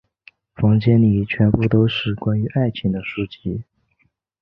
房间里全部都是关于爱情的书籍。